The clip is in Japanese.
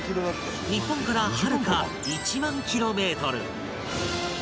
日本からはるか１万キロメートル